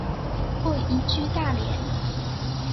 后移居大连。